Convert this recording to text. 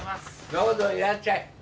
どうぞいらっしゃい。